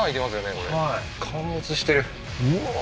これ陥没してるうわー